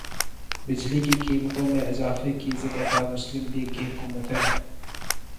بجلی کی قیمتوں میں اضافے کی ذمہ دار مسلم لیگ کی حکومت ہے